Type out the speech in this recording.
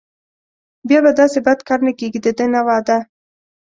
بیا به داسې بد کار نه کېږي دده نه وعده.